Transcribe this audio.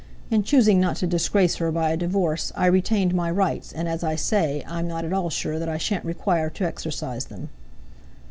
In choosing not to disgrace her by a divorce, I retained my rights, and, as I say, I am not at all sure that I shan't require to exercise them."